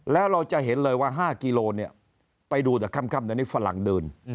แล้วเราจะเห็นเลยว่า๕กิโลกรัมไปดูแต่ค่ำแต่นี่ฝรั่งเดิน